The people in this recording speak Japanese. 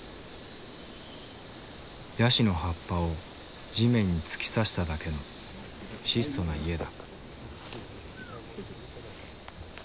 やしの葉っぱを地面に突き刺しただけの質素な家だ。